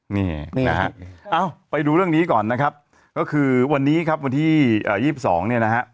นี่นะฮะเอ้าไปดูเรื่องนี้ก่อนนะครับก็คือวันนี้ครับวันที่๒๒เนี่ยนะฮะ